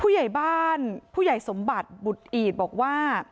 ผู้ใหญ่บ้านผู้ใหญ่สมบัติบุตอีดบอกว่า